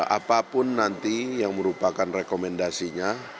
apapun nanti yang merupakan rekomendasinya